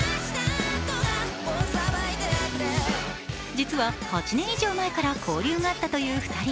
実は８年以上前から交流があったという２人。